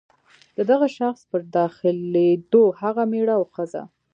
د دغه شخص په داخلېدو هغه مېړه او ښځه.